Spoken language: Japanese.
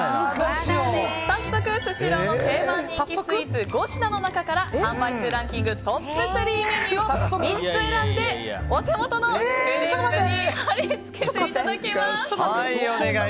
早速、スシローの定番人気スイーツ５品の中から販売数ランキングトップ３メニューを３つ選んでお手元のフリップに貼り付けていただきます。